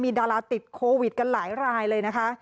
ดาราติดโควิดกันหลายรายเลยนะคะ